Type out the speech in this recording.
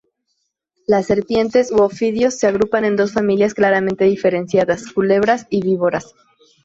Las serpientes, u ofidios se agrupan en dos familias claramente diferenciadas, culebras y víboras.